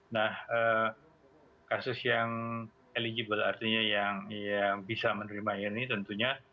nah kasus yang eligible artinya yang bisa menerima ini tentunya